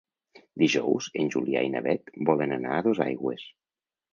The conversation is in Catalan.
Dijous en Julià i na Beth volen anar a Dosaigües.